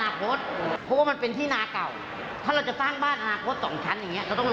แหมก็พ่อไปเป็นคนพันธุ์คนแสดต้น